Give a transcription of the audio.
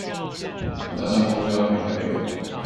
我們搭上公車要回台北了